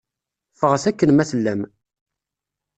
Ffɣet akken ma tellam.